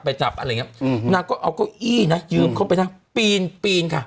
จับอะไรอย่างเงี้อืมนางก็เอาเก้าอี้นะยืมเขาไปนั่งปีนปีนค่ะ